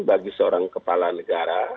bagi seorang kepala negara